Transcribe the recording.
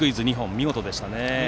見事でしたね。